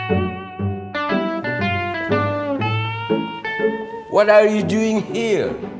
apa yang kamu lakukan disini